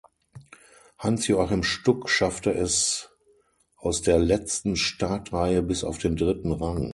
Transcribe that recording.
Hans-Joachim Stuck schaffte es aus der letzten Startreihe bis auf den dritten Rang.